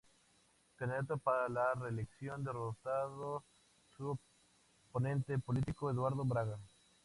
Candidato para la reelección, derrotando su oponente político, Eduardo Braga.